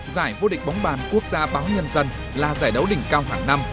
giải vô địch bóng bàn quốc gia báo nhân dân là giải đấu đỉnh cao hàng năm